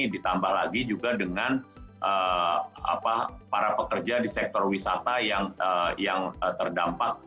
ditambah lagi juga dengan para pekerja di sektor wisata yang terdampak